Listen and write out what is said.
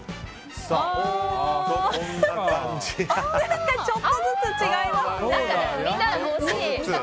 なんかちょっとずつ違いますね。